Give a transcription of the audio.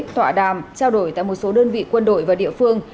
tọa đàm trao đổi tại một số đơn vị quân đội và địa phương